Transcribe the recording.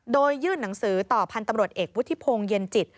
โดยยื่นหนังสือต่อพันธ์ตำรวจเอกวุฒิพงศ์เย็นจิต